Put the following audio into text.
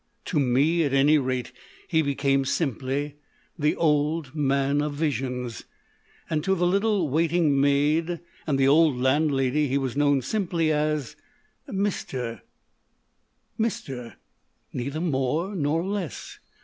To me, at any rate, he became simply the Old Man of Visions, and to the little waiting maid and the old landlady he was known simply as " Mister " â Mister, neither more nor less.